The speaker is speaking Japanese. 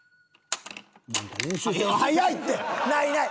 早いって！ないない！